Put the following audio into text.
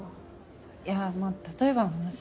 いやまあ例えばの話。